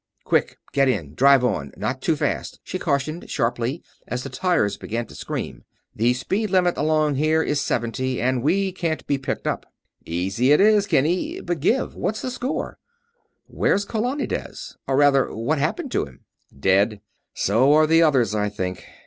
"Quick! Get in ... drive on ... not too fast!" she cautioned, sharply, as the tires began to scream. "The speed limit along here is seventy, and we can't be picked up." "Easy it is, Kinny. But give! What's the score? Where's Kolanides? Or rather, what happened to him?" "Dead. So are the others, I think.